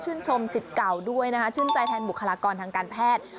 ชมสิทธิ์เก่าด้วยนะคะชื่นใจแทนบุคลากรทางการแพทย์